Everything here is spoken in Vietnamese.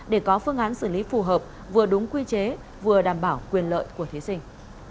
để có phương án xử lý phù hợp vừa đúng quy chế vừa đảm bảo quyền lợi của thí sinh